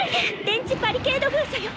電磁バリケード封鎖よ！